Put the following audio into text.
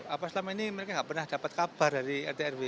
apa selama ini mereka enggak pernah dapat kabar dari rtrw